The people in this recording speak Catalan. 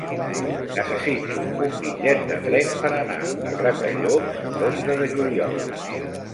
Necessito un bitllet de tren per anar a Gratallops l'onze de juliol.